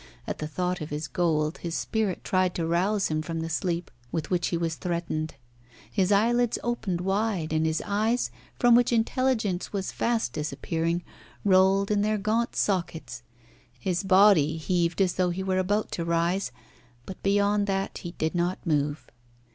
At the thought of his gold his spirit tried to rouse him from the sleep with which he was threatened. His eyelids opened wide, and his eyes, from which intelligence was fast disappearing, rolled in their gaunt sockets. His body heaved as though he were about to rise, but beyond that he did not move.